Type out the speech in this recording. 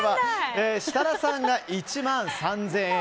設楽さんが１万３０００円。